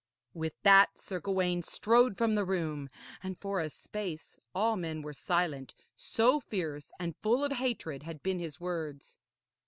With that Sir Gawaine strode from the room, and for a space all men were silent, so fierce and full of hatred had been his words.